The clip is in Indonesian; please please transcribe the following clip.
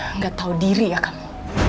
nggak tahu diri ya kamu